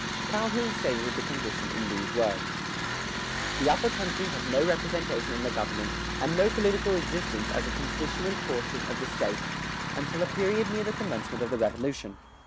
[117:2] Calhoun stated the condition in these words: The upper country had no representation in the government and no political existence as a constituent portion of the state until a period near the commencement of the revolution.